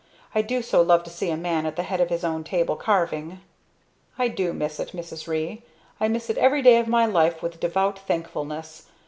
"I do so love to see a man at the head of his own table, carving." "I do miss it, Mrs. Ree. I miss it every day of my life with devout thankfulness.